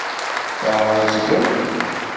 Tɛezgeḍ?